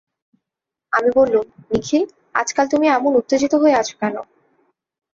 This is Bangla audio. আমি বললুম, নিখিল, আজকাল তুমি এমন উত্তেজিত হয়ে আছ কেন?